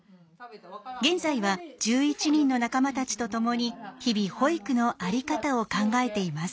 現在は１１人の仲間たちと共に日々保育の在り方を考えています。